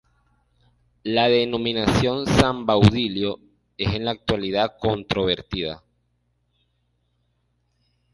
La denominación San Baudilio es en la actualidad controvertida.